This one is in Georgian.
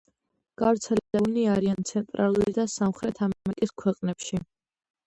გავრცელებულნი არიან ცენტრალური და სამხრეთ ამერიკის ქვეყნებში.